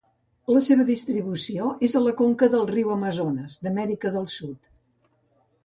La seva distribució és a la conca del riu Amazones d'Amèrica del Sud.